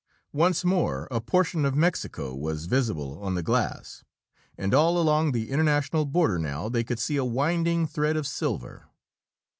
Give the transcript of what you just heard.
Once more a portion of Mexico was visible on the glass, and along the international border now they could see a winding thread of silver.